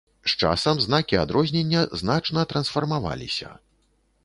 З часам знакі адрознення значна трансфармаваліся.